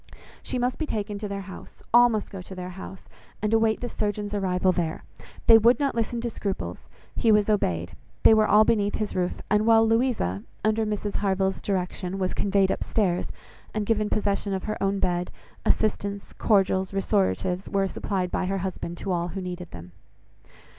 She must be taken to their house; all must go to their house; and await the surgeon's arrival there. They would not listen to scruples: he was obeyed; they were all beneath his roof; and while Louisa, under Mrs Harville's direction, was conveyed up stairs, and given possession of her own bed, assistance, cordials, restoratives were supplied by her husband to all who needed them.